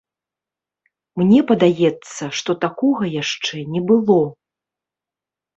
Мне падаецца, што такога яшчэ не было!